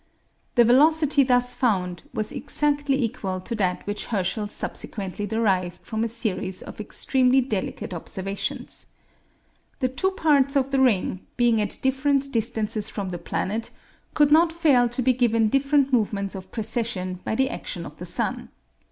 The velocity thus found was exactly equal to that which Herschel subsequently derived from a series of extremely delicate observations. The two parts of the ring, being at different distances from the planet, could not fail to be given different movements of precession by the action of the sun.